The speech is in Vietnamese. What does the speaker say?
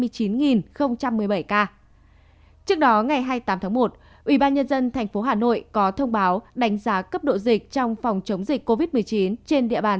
trước đó ngày hai mươi tám tháng một ubnd tp hà nội có thông báo đánh giá cấp độ dịch trong phòng chống dịch covid một mươi chín trên địa bàn